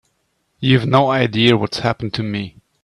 You have no idea what's happened to me.